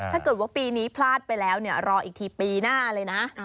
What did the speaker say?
ถ้าเกิดว่าปีนี้พลาดไปแล้วเนี่ยรออีกทีปีหน้าเลยนะ